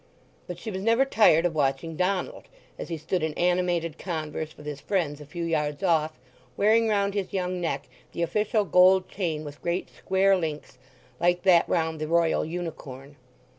But she was never tired of watching Donald, as he stood in animated converse with his friends a few yards off, wearing round his young neck the official gold chain with great square links, like that round the Royal unicorn.